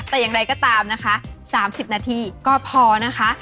แต่อย่างไรก็ตามนะคะ๓๐นาทีก็พอนะคะ